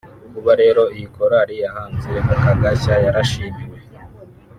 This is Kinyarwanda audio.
kuba rero iyi korali yahanze aka gashya yarashimiwe